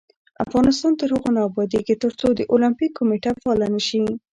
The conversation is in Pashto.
افغانستان تر هغو نه ابادیږي، ترڅو د اولمپیک کمیټه فعاله نشي.